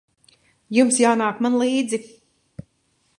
Jums jānāk man līdzi.